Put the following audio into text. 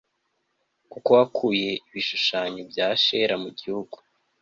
kuko wakuye ibishushanyo bya Ashera mu gihugu